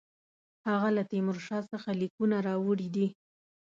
هغه له تیمورشاه څخه لیکونه راوړي دي.